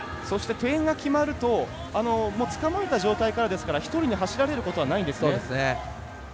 点が決まるとつかまえた状態からですから１人に走られることはないんですね。